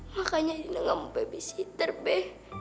makanya dina gak mau babysitter be